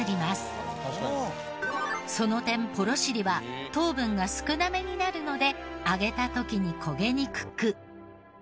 その点ぽろしりは糖分が少なめになるので揚げた時に焦げにくく。